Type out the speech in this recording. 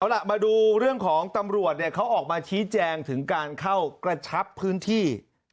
เอาล่ะมาดูเรื่องของตำรวจเขาออกมาชี้แจงถึงการเข้ากระชับพื้นที่